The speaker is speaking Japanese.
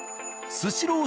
「スシロー」